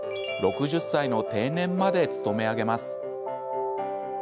６０歳の定年まで勤め上げます。